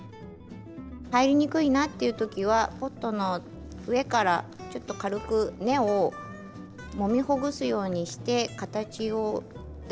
入りにくいなっていう時はポットの上からちょっと軽く根をもみほぐすようにして形をだ